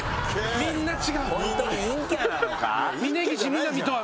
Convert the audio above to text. みんな違う！